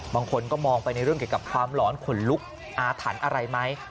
บางคนก็มองไปในเรื่องเกี่ยวกับความหลอนขนลุกอาถรรพ์อะไรไหม